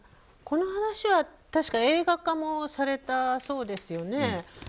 この話は、確か映画化もされたそうですよね。